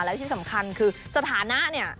และที่สำคัญคือสถานะเนี่ย